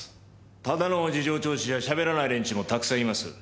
ただの事情聴取じゃ喋らない連中もたくさんいます。